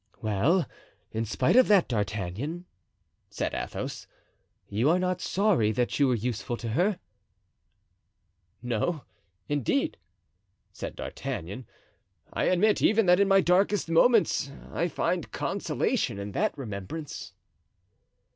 "Well, in spite of that, D'Artagnan," said Athos, "you are not sorry that you were useful to her?" "No, indeed," said D'Artagnan; "I admit even that in my darkest moments I find consolation in that remembrance."